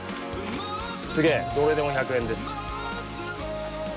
すげえどれでも１００円です。